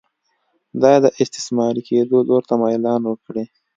دا د استثماري کېدو لور ته میلان وکړي.